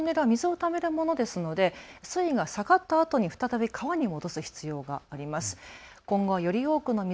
このトンネルは水をためるものですので水位が下がったあとに再び川に戻す必要があります。